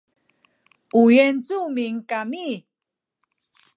u yuancumin kami